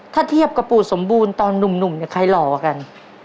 ถ้าเทียบกับปู่สมบูรตอนหนุ่มใครหล่อกัน